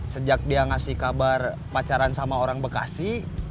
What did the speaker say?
sejak dia ngasih kabar pacaran sama orang bekasi